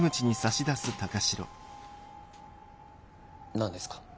何ですか？